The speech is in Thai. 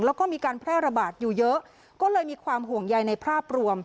แล้วก็มีการแพร่ระบาดอยู่เยอะก็เลยมีความห่วงใยในภาพรวม